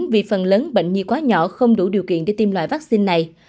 vì phần lớn bệnh nhi quá nhỏ không đủ điều kiện để tiêm loại vaccine này